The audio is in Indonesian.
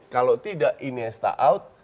kalau tidak iniesta out